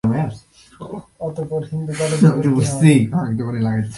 অতপর হিন্দু কলেজে ভর্তি হন।